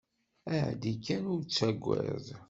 Ԑeddi kan ur ttagad.